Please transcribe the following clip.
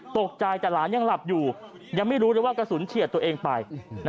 ตกใจแต่หลานยังหลับอยู่ยังไม่รู้เลยว่ากระสุนเฉียดตัวเองไป